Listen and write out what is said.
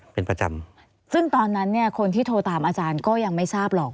เป็นประจำซึ่งตอนนั้นเนี่ยคนที่โทรตามอาจารย์ก็ยังไม่ทราบหรอก